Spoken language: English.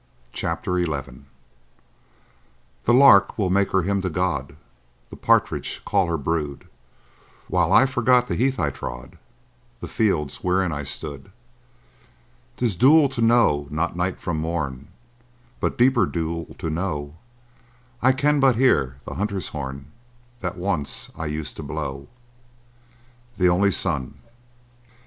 CHAPTER XI The lark will make her hymn to God, The partridge call her brood, While I forget the heath I trod, The fields wherein I stood. 'Tis dule to know not night from morn, But deeper dule to know I can but hear the hunter's horn That once I used to blow. —The Only Son.